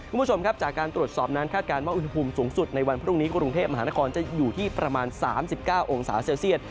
คุณผู้ชมครับจากการตรวจสอบนั้นคาดการณ์ว่าอุณหภูมิสูงสุดในวันพรุ่งนี้กรุงเทพมหานครจะอยู่ที่ประมาณ๓๙องศาเซลเซียต